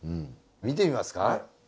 見てみますか？